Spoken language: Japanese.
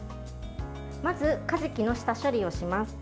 まず、かじきの下処理をします。